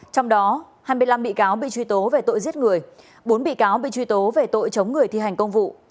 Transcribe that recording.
trong đó hai mươi năm bị cáo bị truy tố về tội giết người bốn bị cáo bị truy tố về tội chống người thi hành công vụ